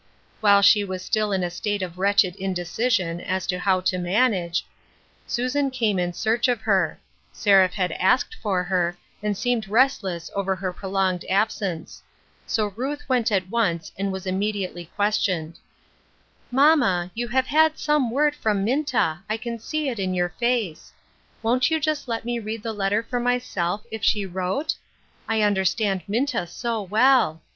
While she was still in a state of wretched indecision as to how to manage, Susan came in search of her ; Seraph had asked for her, and seemed restless over her prolonged absence ; so Ruth went at once, and was immedi ately questioned :—" Mamma, you have had some word from Minta, I can see it in your face. Won't you just let me read the letter for myself, if she wrote ? I under stand Minta so well